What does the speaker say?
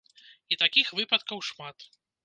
І такіх выпадкаў шмат.